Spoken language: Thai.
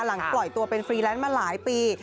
หลังปล่อยตัวเป็นฟรีแลนซ์มาหลายปี